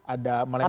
ada melimpah jumroh